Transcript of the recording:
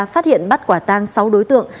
phát hiện bắt quả tang sáu đối tượng